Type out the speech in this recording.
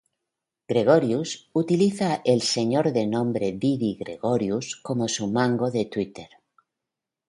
Gregorius Utiliza el Señor de nombre Didi Gregorius como su mango de Twitter.